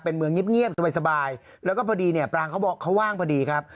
เป็นเมืองเงียบสบายแล้วก็พอดีเนี่ยปรางเขาบอกเขาว่างพอดีครับ